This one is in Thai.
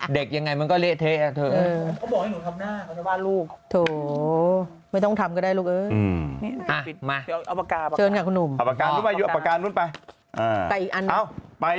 เด็กยังไงมันก็เละเทะเถอะ